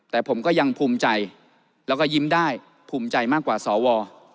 แต่ผมก็ยังภูมิใจแล้วก็ยิ้มได้ภูมิใจมากกว่าสว